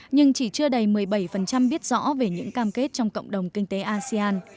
nhưng chỉ chưa đầy một mươi bảy biết rõ về những cam kết trong cộng đồng kinh tế asean